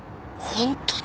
本当に！？